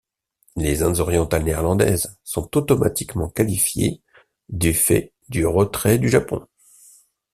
Les Indes orientales néerlandaises sont automatiquement qualifiées du fait du retrait du Japon.